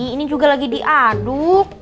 ini juga lagi diaduk